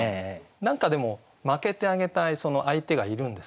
何かでも負けてあげたい相手がいるんですね。